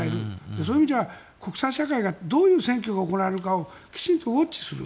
そういう意味では国際社会でどういう選挙が行われるのかをきちんとウォッチする。